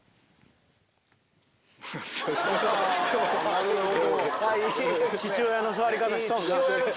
なるほど！